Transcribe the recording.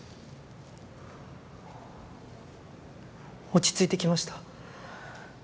落ち着いてきました。